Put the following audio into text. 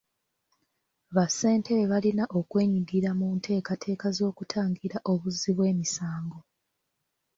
Bassentebe balina okwenyigira mu nteekateeka z'okutangira obuzzi bw'emisango.